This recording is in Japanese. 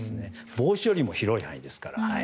帽子よりも広い範囲ですから。